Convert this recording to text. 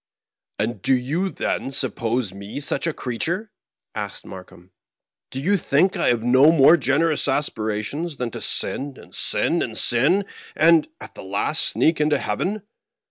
"And do you, then, suppose me such a creature?" asked Markheim. "Do you think I have no more gen erous aspirations than to sin, and sin, and sin, and, at the last, sneak into heaven